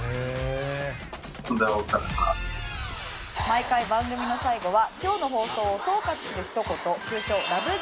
毎回番組の最後は今日の放送を総括するひと言通称ラブ！！